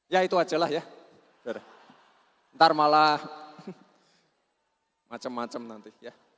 ya itu ajalah ya nanti malah macam macam nanti